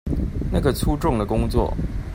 那個粗重的工作